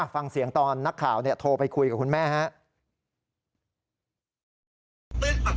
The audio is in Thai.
ฟังเสียงตอนนักข่าวโทรไปคุยกับคุณแม่ครับ